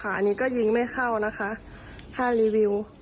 อันนี้คือยิงไม่เข้านะครับ